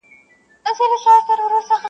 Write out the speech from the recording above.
نړوي به سوځوي به -